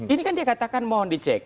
ini kan dia katakan mohon dicek